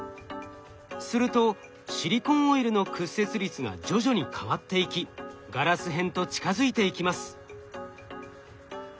するとシリコンオイルの屈折率が徐々に変わっていきガラス片と近づいていきます。